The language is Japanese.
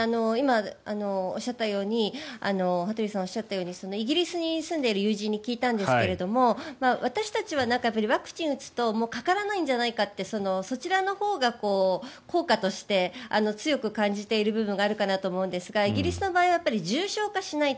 今羽鳥さんがおっしゃったようにイギリスに住んでいる友人に聞いたんですが私たちはワクチンを打つともうかからないんじゃないかってそちらのほうが効果として強く感じている部分があるかなと思うんですがイギリスの場合重症化しないと。